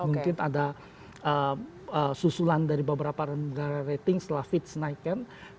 mungkin ada susulan dari beberapa negara rating setelah fits naikkan mungkin mudis akan menyusul